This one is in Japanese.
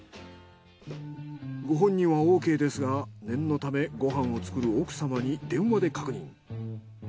ご本人はオーケーですが念のためご飯を作る奥様に電話で確認。